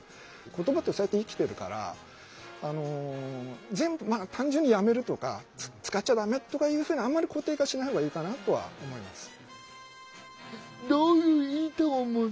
言葉ってそうやって生きてるから全部まあ単純にやめるとか使っちゃダメとかいうふうにあんまり固定化しない方がいいかなとは思います。